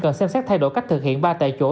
cần xem xét thay đổi cách thực hiện ba tại chỗ